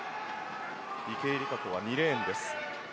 池江璃花子は２レーンです。